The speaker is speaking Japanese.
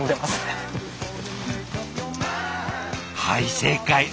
はい正解。